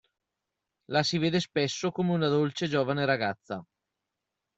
La si vede spesso come una dolce giovane ragazza.